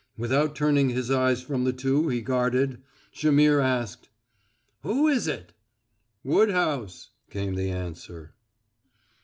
Without turning his eyes from the two he guarded, Jaimihr asked: "Who is it?" "Woodhouse," came the answer.